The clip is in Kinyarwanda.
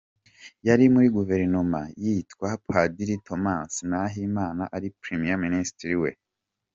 Yari muri Gouvernement y’uwitwa Padiri Thomas Nahimana ari Premier Ministre we!